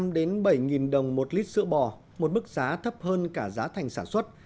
năm đến bảy đồng một lít sữa bò một mức giá thấp hơn cả giá thành sản xuất